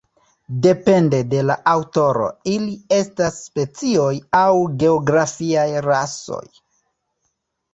Depende de la aŭtoro ili estas specioj aŭ geografiaj rasoj.